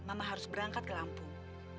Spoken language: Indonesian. mama harus berangkat ke lampung